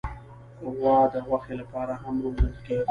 غوا د غوښې لپاره هم روزل کېږي.